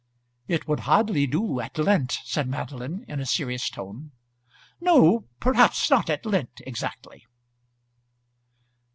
"It would hardly do at Lent," said Madeline, in a serious tone. "No, perhaps not at Lent exactly."